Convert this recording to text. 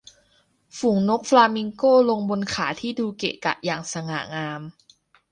ฝูงนกฟลามิงโกลงบนขาที่ดูเกะกะอย่างสง่างาม